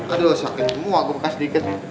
aduh sakit semua gue bekas dikit